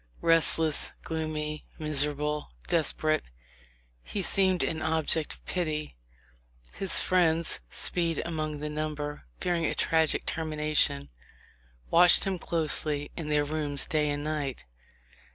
Restless, gloomy, miserable, desperate, he seemed an object of pity. His friends, Speed among the number, fearing a tragic termination, watched him closely in their rooms day and night.